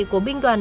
của binh đoàn